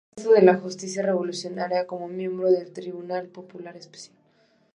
Fue brazo de la justicia revolucionaria, como miembro del Tribunal Popular Especial.